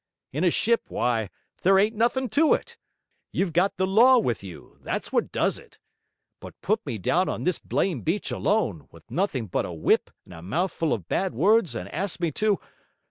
In a ship, why, there ain't nothing to it! You've got the law with you, that's what does it. But put me down on this blame' beach alone, with nothing but a whip and a mouthful of bad words, and ask me to...